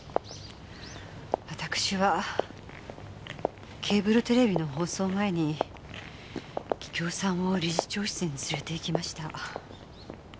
わたくしはケーブルテレビの放送前に桔梗さんを理事長室に連れて行きました。